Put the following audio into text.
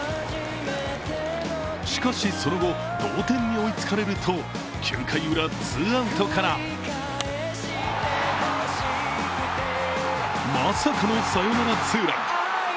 しかし、その後同点に追いつかれると９回ウラ、ツーアウトからまさかのサヨナラツーラン。